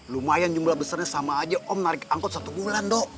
lumayan jumlah besarnya sama aja om narik angkut satu bulan dok